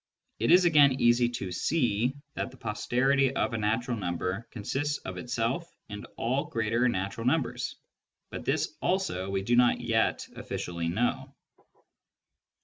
It is again easy to see that the posterity of a natural number con sists of itself and all greater natural numbers ; but this also we do not yet officially know.